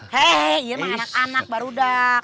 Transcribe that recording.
hei iya emang anak anak baru dak